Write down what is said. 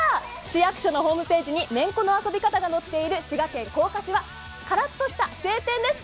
市役所のホームページにめんこの遊び方が載っている滋賀県甲賀市はカラッとした晴天です。